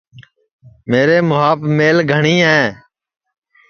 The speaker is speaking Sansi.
میرے مُُوھاپ میل گھٹؔی ہے